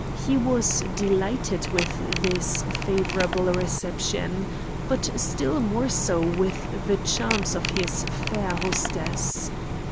He was delighted with this favourable reception, but still more so with the charms of his fair hostess.